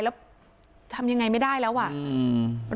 แล้วทำยังไงไม่ได้แล้วอ่ะอืม